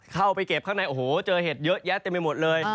เข้าไปเก็บข้างในโอ้โหเจอเห็ดเยอะแยะเต็มไปหมดเลย